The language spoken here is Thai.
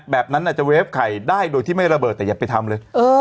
แบบนั้นอาจจะเฟฟไข่ได้โดยที่ไม่ระเบิดแต่อย่าไปทำเลย